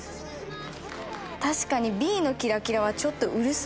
確かにＢのキラキラはちょっとうるさいかも。